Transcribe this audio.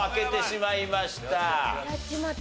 やっちまった。